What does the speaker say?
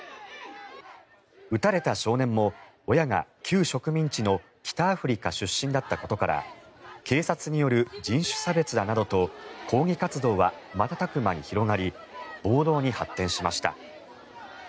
撃たれた少年も親が旧植民地の北アフリカ出身だったことから警察による人種差別だなどと抗議活動は瞬く間に広がり暴動に発展しました。